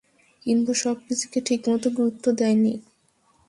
কিংবা সবকিছুকে ঠিকমতো গুরুত্ব দেইনি?